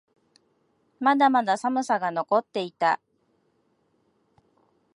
まだまだ寒さが残っていた。